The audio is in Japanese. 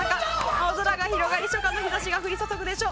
青空が広がり初夏の日差しが降り注ぐでしょう。